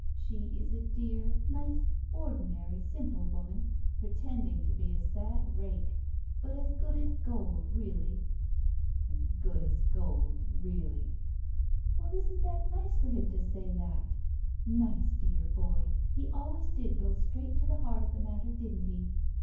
She is a dear, nice, ordinary simple woman, pretending to be a sad rake, but as good as gold, really '"" As good as gold, really !" "Well, isn't that nice for him to say that! Poor dear boy, he always did go straight to the heart of the matter, didn't he?